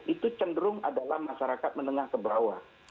itu cenderung adalah masyarakat menengah kebawah